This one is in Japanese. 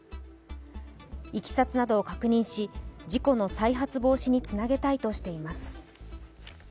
いきさつなどを確認し事故の再発防止につなげたいとしています。